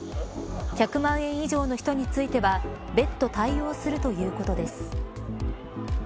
１００万円以上の人については別途対応するということです。